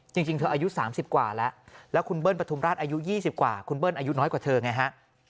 จริงเธออายุ๓๐กว่าแล้วแล้วคุณเบิ้ลปฐุมราชอายุ๒๐กว่าคุณเบิ้ลอายุน้อยกว่าเธอไงฮะ